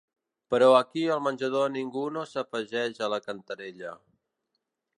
Però aquí al menjador ningú no s'afegeix a la cantarella.